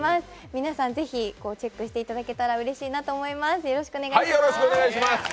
皆さん、ぜひチェックしていただけたらうれしいと思います。